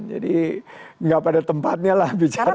jadi gak pada tempatnya lah bicara seperti itu